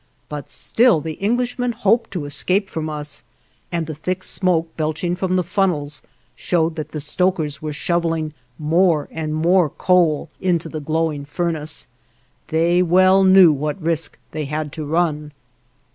But still the Englishman hoped to escape from us, and the thick smoke belching from the funnels showed that the stokers were shoveling more and more coal into the glowing furnace; they well knew what risk they had to run.